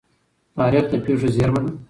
تاریخ د پېښو زيرمه ده.